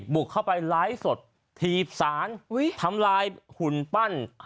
บุกเข้าไปไลฟ์สดถีบสารทำลายหุ่นปั้น